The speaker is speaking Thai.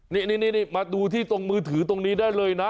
นี่มาดูที่ตรงมือถือตรงนี้ได้เลยนะ